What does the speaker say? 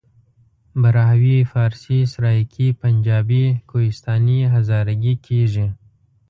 پښتو، بلوچي، براهوي، فارسي، سرایکي، پنجابي، کوهستاني، هزارګي، سندهي..ویل کېژي.